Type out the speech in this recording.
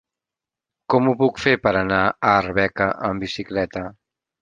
Com ho puc fer per anar a Arbeca amb bicicleta?